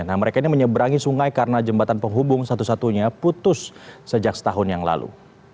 nah mereka ini menyeberangi sungai karena jembatan penghubung satu satunya putus sejak setahun yang lalu